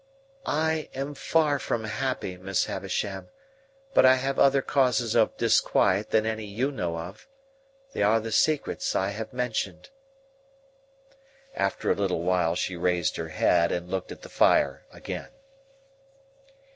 "I am far from happy, Miss Havisham; but I have other causes of disquiet than any you know of. They are the secrets I have mentioned." After a little while, she raised her head, and looked at the fire again.